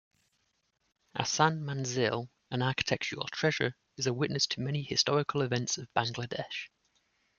Ahsan Manzil, an architectural treasure, is a witness to many historical events of Bangladesh.